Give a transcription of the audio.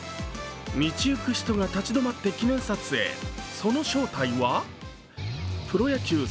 道行く人が立ち止まって記念撮影その正体はプロ野球